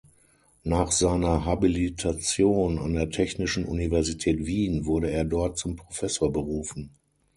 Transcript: Nach seiner Habilitation an der Technischen Universität Wien wurde er dort zum Professor berufen.